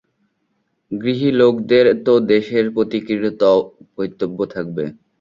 গৃহী লোকদেরও তো দেশের প্রতি কর্তব্য আছে।